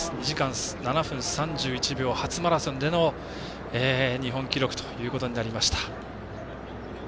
２時間７分３１秒初マラソンでの日本記録ということになりました。